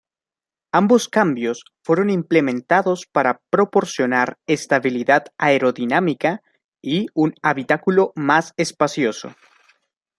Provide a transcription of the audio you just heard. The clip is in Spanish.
Ambos cambios fueron implementados para proporcionar estabilidad aerodinámica y un habitáculo más espacioso.